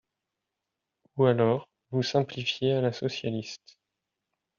Ou alors, vous simplifiez à la socialiste